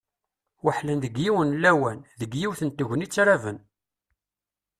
Weḥlen deg yiwen n lawan, deg yiwet n tegnit raben.